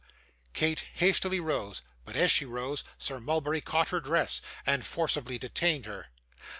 Kate hastily rose; but as she rose, Sir Mulberry caught her dress, and forcibly detained her.